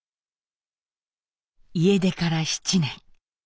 家出から７年。